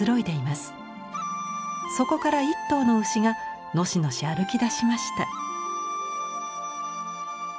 そこから一頭の牛がのしのし歩きだしました。